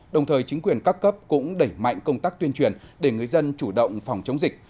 đồng thời chính quyền các cấp cũng đẩy mạnh công tác tuyên truyền để người dân chủ động phòng chống dịch